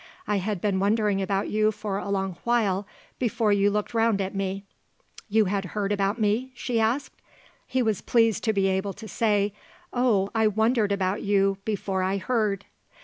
I had been wondering about you for a long while before you looked round at me." "You had heard about me?" she asked. He was pleased to be able to say: "Oh, I wondered about you before I heard."